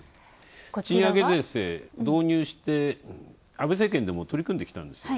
賃上げ税制、導入して安倍政権でも取り組んできたんです。